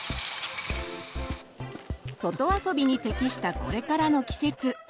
外遊びに適したこれからの季節。